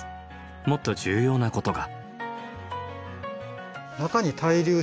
もっと重要なことが。